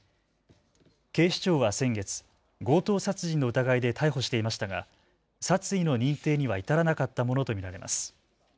警視庁は先月、強盗殺人の疑いで逮捕していましたが殺意の認定には至らなかったものと見られます。